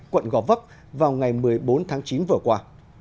quận gò vấp vào ngày một mươi bốn tháng chín vừa qua